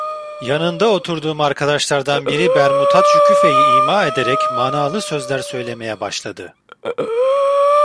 Yanına oturduğum arkadaşlardan biri bermutat Şükufe'yi ima ederek manalı sözler söylemeye başladı.